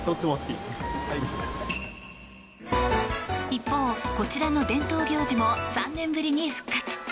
一方、こちらの伝統行事も３年ぶりに復活。